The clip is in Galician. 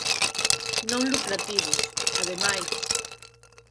Non lucrativos, ademais.